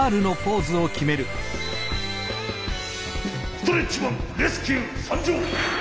ストレッチマン☆レスキューさんじょう！